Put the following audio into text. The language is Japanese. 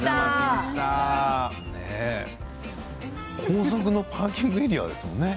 高速のパーキングエリアですよね？